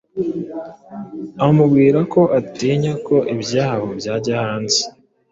amubwira ko atinya ko ibyabo byajya hanze.